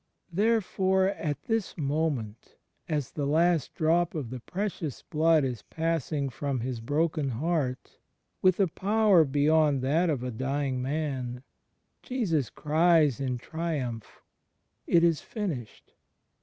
Therefore at this moment, as the last drop of the Precious Blood is passing from His broken Heart, with a power beyond that of a d)dng man, Jesus cries in triiunph, "It is finished.''